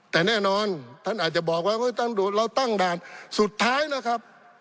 แต่แน่นอนท่านอาจจะบอกว่าเราตั้งด่านสุดท้ายนะครับ